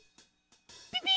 ピピ！